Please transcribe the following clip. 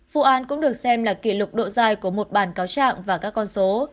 vụ án cũng được xem là kỷ lục độ dài của một bản cáo trạng và các con số